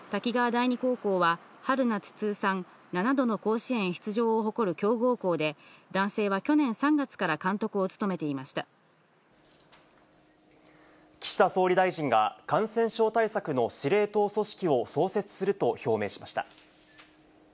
第二高校は、春夏通算７度の甲子園出場を誇る強豪校で、男性は去年３月から監岸田総理大臣が、感染症対策の司令塔組織を創設すると表明しました。